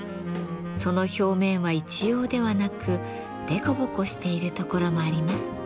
その表面は一様ではなく凸凹しているところもあります。